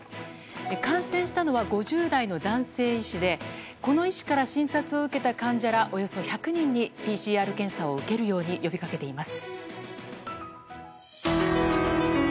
感染したのは５０代の男性医師でこの医師から診察を受けた患者らおよそ１００人にＰＣＲ検査を受けるように呼びかけています。